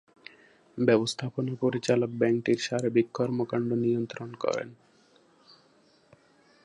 ব্যবস্থাপনা পরিচালক ব্যাংকটির সার্বিক কর্মকাণ্ড নিয়ন্ত্রণ করেন।